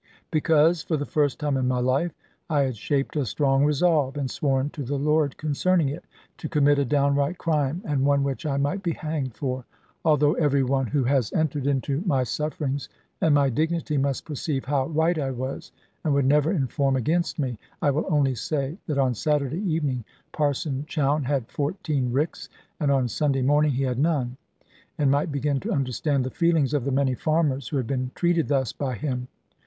Because, for the first time in my life, I had shaped a strong resolve, and sworn to the Lord concerning it to commit a downright crime, and one which I might be hanged for. Although every one who has entered into my sufferings and my dignity must perceive how right I was, and would never inform against me, I will only say that on Saturday evening Parson Chowne had fourteen ricks, and on Sunday morning he had none, and might begin to understand the feelings of the many farmers who had been treated thus by him.